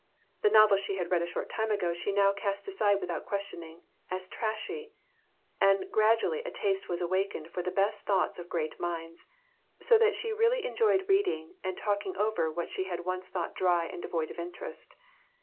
The novels she had read a short time ago she now cast aside without questioning, as trashy, and gradually a taste was awakened for the best thoughts of great minds, so that she really enjoyed reading and talking over what she had once thought dry and devoid of interest.